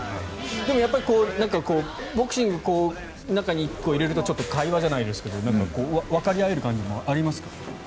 でも、やっぱりボクシングを中に入れるとちょっと会話じゃないですけどわかり合える感じもありますか？